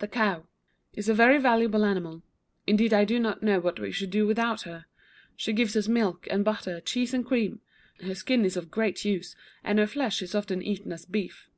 THE COW. Is a very valuable animal; indeed I do not know what we should do without her. She gives us milk and butter, cheese and cream; her skin is of great use, and her flesh is often eaten as beef.